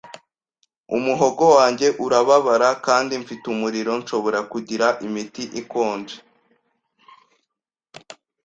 Umuhogo wanjye urababara, kandi mfite umuriro. Nshobora kugira imiti ikonje?